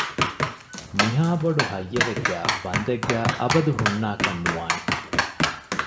މިހާ ބޮޑު ހައްޔަރެއްގައި ބަންދެއްގައި އަބަދު ހުންނާކަށް ނުވާނެ